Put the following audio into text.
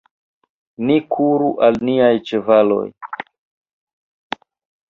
Ni kuru al niaj ĉevaloj.